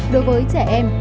đối với trẻ em